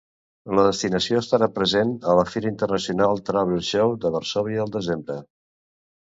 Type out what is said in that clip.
La destinació estarà present a la Fira Internacional Travel Show de Varsòvia al desembre.